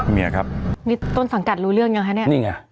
เนี่ยครับตัวนสั่งกัดรู้เรื่องยังไงนะเนี่ย